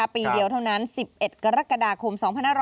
ปีเดียวเท่านั้น๑๑กรกฎาคม๒๕๖๒